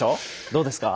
どうですか？